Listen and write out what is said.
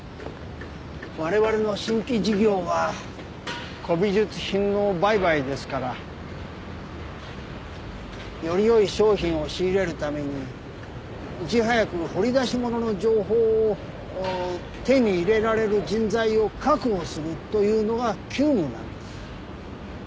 我々の新規事業は古美術品の売買ですからより良い商品を仕入れるためにいち早く掘り出し物の情報を手に入れられる人材を確保するというのが急務なんです。